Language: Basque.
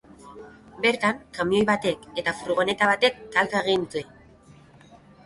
Bertan, kamioi batek eta furgoneta batek talka egin dute.